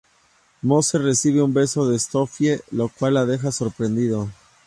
Moose recibe un beso de Sophie, lo cual lo deja sorprendido.